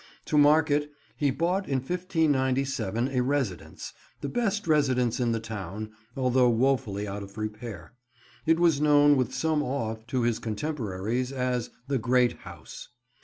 To mark it, he bought in 1597 a residence, the best residence in the town, although wofully out of repair. It was known, with some awe, to his contemporaries as "the great house."